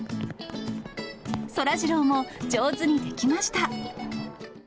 そらジローも、上手にできました。